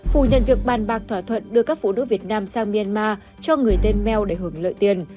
phủ nhận việc bàn bạc thỏa thuận đưa các phụ nữ việt nam sang myanmar cho người tên mel để hưởng lợi tiền